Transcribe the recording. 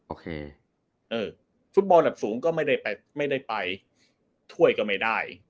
โอเคเออฟุตบอลดับสูงก็ไม่ได้ไปไม่ได้ไปถ้วยก็ไม่ได้